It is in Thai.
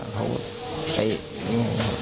ผม